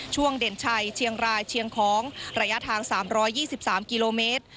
เด่นชัยเชียงรายเชียงของระยะทาง๓๒๓กิโลเมตร